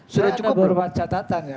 sudah cuma beberapa catatan ya